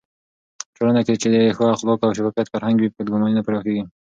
په ټولنه کې چې د ښو اخلاقو او شفافيت فرهنګ وي، بدګماني نه پراخېږي.